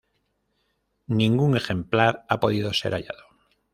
Ningún ejemplar ha podido ser hallado.